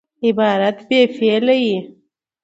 عبارت بې فعله يي.